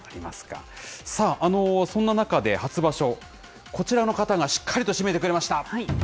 さあ、そんな中で初場所、こちらの方がしっかりと締めてくれました。